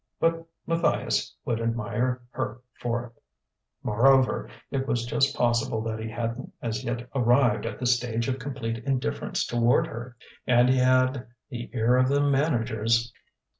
But Matthias would admire her for it. Moreover, it was just possible that he hadn't as yet arrived at the stage of complete indifference toward her. And he had "the ear of the managers."